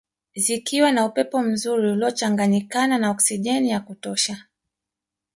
Zikiwa na upepo mzuri uliochanganyikana na okisijeni ya kutosha